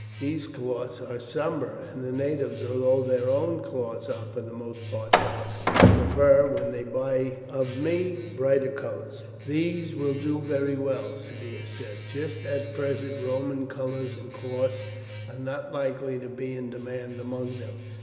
These cloths are sombre, and the natives, although their own cloths are for the most part dark, prefer, when they buy of me, brighter colours." "These will do very well," Cneius said, "just at present Roman colours and cloths are not likely to be in demand among them."